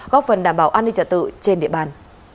góp phần đảm bảo an ninh trả tự trên địa bàn